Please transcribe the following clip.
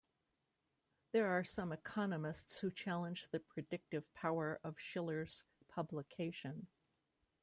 There are some economists who challenge the predictive power of Shiller's publication.